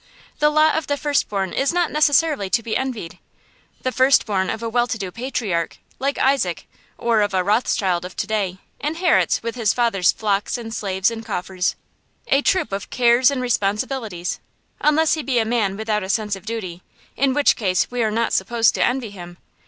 The lot of the firstborn is not necessarily to be envied. The firstborn of a well to do patriarch, like Isaac, or of a Rothschild of to day, inherits, with his father's flocks and slaves and coffers, a troop of cares and responsibilities; unless he be a man without a sense of duty, in which case we are not supposed to envy him.